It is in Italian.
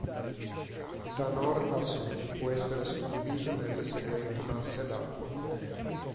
Da nord a sud può essere suddiviso nelle seguenti masse d'acqua.